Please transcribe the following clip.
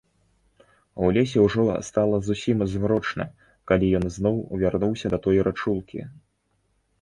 У лесе ўжо стала зусім змрочна, калі ён зноў вярнуўся да той рачулкі.